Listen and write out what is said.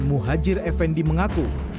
muhajir effendi mengaku